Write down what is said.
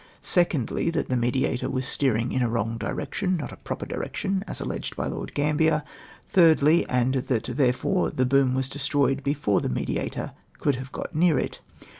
2ndly, that the Mediator was steering in a wrong direc tion^ not a "^ proper direction^' as alleged by Lord Gambler, ordly, and that therefore the boom was destroyed before the Mediator could have got near it.